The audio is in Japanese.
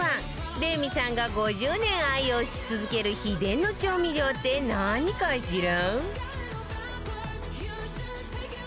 レミさんが５０年愛用し続ける秘伝の調味料って何かしら？